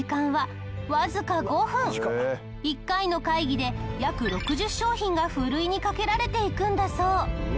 一回の会議で約６０商品がふるいにかけられていくんだそう。